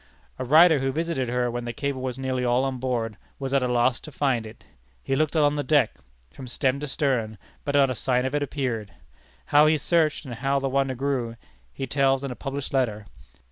A writer who visited her when the cable was nearly all on board, was at a loss to find it. He looked along the deck, from stem to stern, but not a sign of it appeared. How he searched, and how the wonder grew, he tells in a published letter.